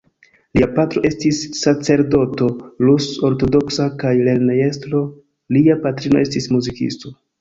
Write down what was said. Lia patro estis sacerdoto rus-ortodoksa kaj lernejestro; lia patrino estis muzikisto.